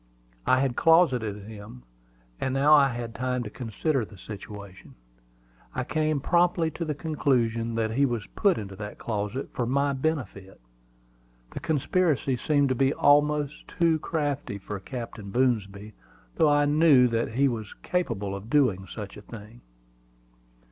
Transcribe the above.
I had closeted him; and now I had time to consider the situation. I came promptly to the conclusion that he was put into that closet for my benefit. The conspiracy seemed to be almost too crafty for Captain Boomsby; though I knew that he was capable of doing such a thing.